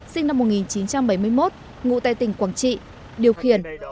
sinh năm một nghìn chín trăm bảy mươi một ngụ tại tỉnh quảng trị điều khiển